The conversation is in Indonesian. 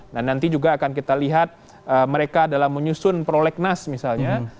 nah nanti juga akan kita lihat mereka dalam menyusun prolegnas misalnya